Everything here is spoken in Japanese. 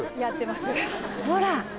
ほら！